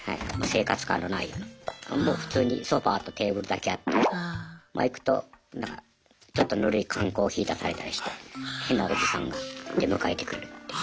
生活感のないようなもう普通にソファーとテーブルだけあってま行くとなんかちょっとぬるい缶コーヒー出されたりして変なおじさんが出迎えてくれるっていう。